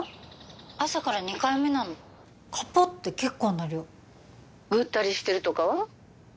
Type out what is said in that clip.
☎朝から２回目なのカポって結構な量☎ぐったりしてるとかは？